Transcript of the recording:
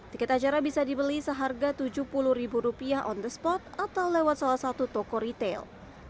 tiket acara bisa dibeli seharga tujuh puluh ribu rupiah on the spot atau lewat salah satu toko retail